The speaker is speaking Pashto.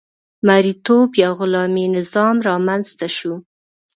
مرئیتوب یا غلامي نظام رامنځته شو.